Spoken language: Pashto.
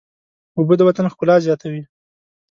اوبه د وطن ښکلا زیاتوي.